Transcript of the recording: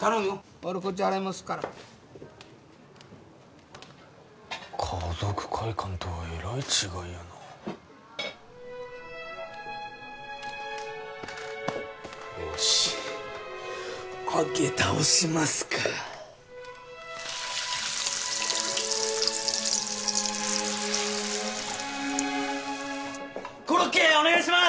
俺こっち洗いもんすっから華族会館とはえらい違いやのよし揚げ倒しますかコロッケお願いします